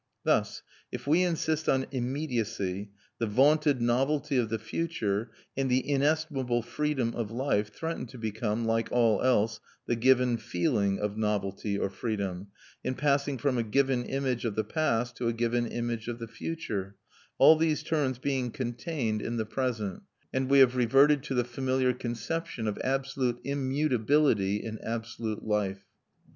Thus, if we insist on immediacy, the vaunted novelty of the future and the inestimable freedom of life threaten to become (like all else) the given feeling of novelty or freedom, in passing from a given image of the past to a given image of the future all these terms being contained in the present; and we have reverted to the familiar conception of absolute immutability in absolute life.